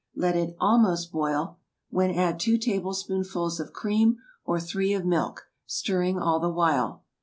Let it almost boil, when add two tablespoonfuls of cream, or three of milk, stirring all the while.